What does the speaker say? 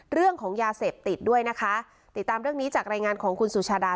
เรื่องของยาเสพติดด้วยนะคะติดตามเรื่องนี้จากรายงานของคุณสุชาดา